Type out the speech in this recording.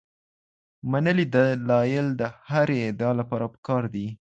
منلي دلایل د هرې ادعا لپاره پکار دي.